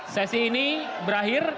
sesi ini berakhir